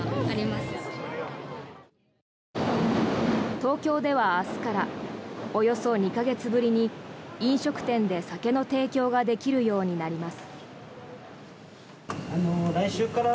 東京では明日からおよそ２か月ぶりに飲食店で酒の提供ができるようになります。